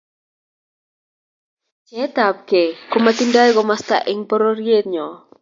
pcheet ab kei ko matindoi komosta eng pororiet nyo